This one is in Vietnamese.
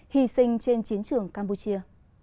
hy sinh trên chiến trường campuchia